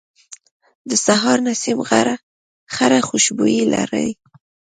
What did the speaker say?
د سهار نسیم خړه خوشبويي لري